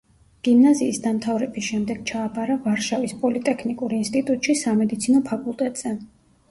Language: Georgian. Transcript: გიმნაზიის დამთავრების შემდეგ ჩააბარა ვარშავის პოლიტექნიკურ ინსტიტუტში სამედიცინო ფაკულტეტზე.